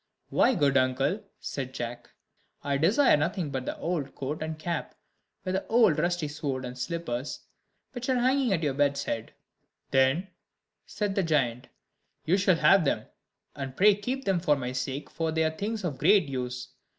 "Why, good uncle," said Jack, "I desire nothing but the old coat and cap, with the old rusty sword and slippers, which are hanging at your bed's head." "Then," said the giant, "you shall have them: and pray keep them for my sake, for they are things of great use.